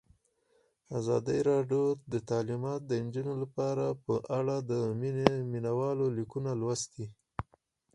ازادي راډیو د تعلیمات د نجونو لپاره په اړه د مینه والو لیکونه لوستي.